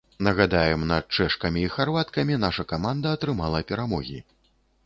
Нагадаем, над чэшкамі і харваткамі наша каманда атрымала перамогі.